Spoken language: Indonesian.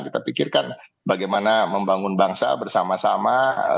kita pikirkan bagaimana membangun bangsa bersama sama